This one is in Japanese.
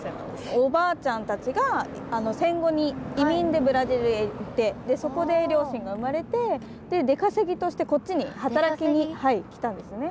おばあちゃんたちが戦後に移民でブラジルへ行ってそこで両親が生まれてでデカセギとしてこっちに働きに来たんですね。